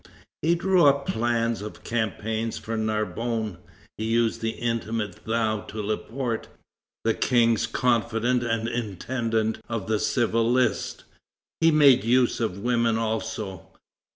He drew up plans of campaign for Narbonne. He used the intimate "thou" to Laporte, the King's confidant and intendant of the civil list. He made use of women also.